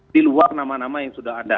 diluar nama nama yang sudah ada